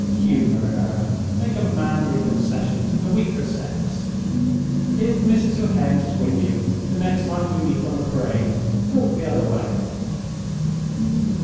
Humor her—make a manly concession to the weaker sex. If Mrs. Lecount is with you, the next time we meet on the Parade, walk the other way.